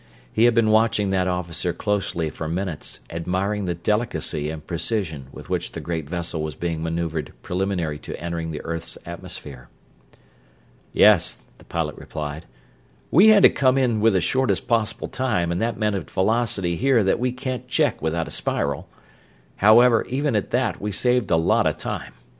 He had been watching that officer closely for minutes, admiring the delicacy and precision with which the great vessel was being maneuvered preliminary to entering the earth's atmosphere. "Yes," the pilot replied. "We had to come in in the shortest possible time, and that meant a velocity here that we can't check without a spiral. However, even at that we saved a lot of time.